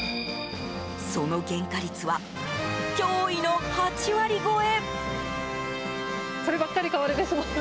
その原価率は驚異の８割超え！